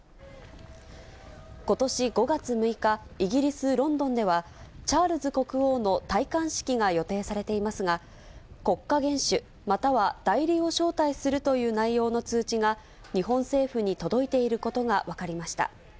ことし５月６日、イギリス・ロンドンでは、チャールズ国王の戴冠式が予定されていますが、国家元首、または代理を招待するという内容の通知が、日本政府に届いていることが分かりました。